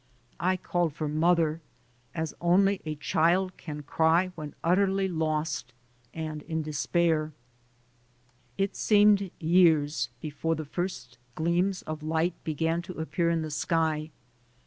I called for "mother" as only a child can cry when utterly lost and in despair. It seemed years before the first gleams of light began to appear in the sky.